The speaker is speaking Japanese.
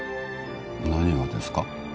何がですか？